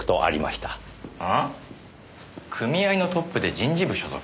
あ？組合のトップで人事部所属。